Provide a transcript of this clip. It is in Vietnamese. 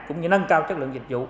cũng như nâng cao chất lượng dịch vụ